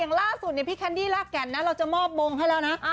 ล่าสุดพี่แคนดี้ลากแก่นนะเราจะมอบมงให้แล้วนะ